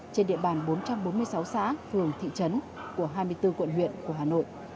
trên địa bàn bốn trăm bốn mươi sáu xã phường thị trấn của hai mươi bốn quận huyện của hà nội